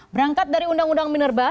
berangkat dari undang undang minerba